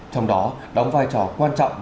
trong đó đóng vai trò quan trọng